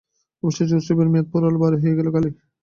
অবশেষে উৎসবের মেয়াদ ফুরোল, বাড়ি হয়ে গেল খালি।